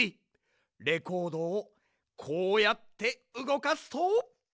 レコードをこうやってうごかすと。